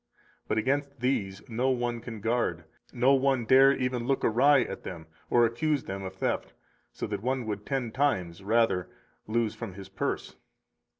But against these no one can guard, no one dare even look awry at them or accuse them of theft, so that one would ten times rather lose from his purse.